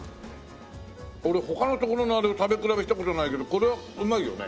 俺他の所のあれを食べ比べした事ないけどこれはうまいよね。